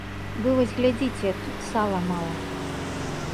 Вы вось глядзіце, тут сала мала.